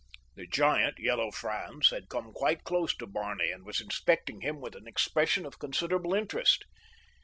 The giant, Yellow Franz, had come quite close to Barney and was inspecting him with an expression of considerable interest.